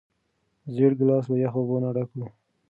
زېړ ګیلاس له یخو اوبو نه ډک و.